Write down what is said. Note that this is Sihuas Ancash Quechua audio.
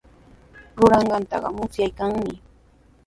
Ruranqaata musyaykanmi.